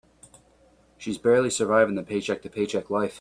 She is barely surviving the paycheck to paycheck life.